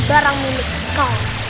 barang milik kau